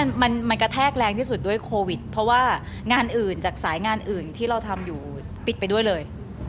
มันมันกระแทกแรงที่สุดด้วยโควิดเพราะว่างานอื่นจากสายงานอื่นที่เราทำอยู่ปิดไปด้วยเลย